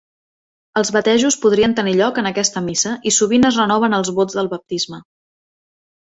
Els batejos podrien tenir lloc en aquesta missa i sovint es renoven els vots del baptisme.